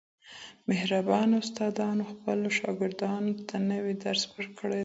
مهربانه استادانو خپلو شاګردانو ته نوی درس ورکړی دی.